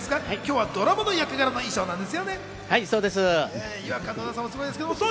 今日はドラマの役柄の衣装なんです。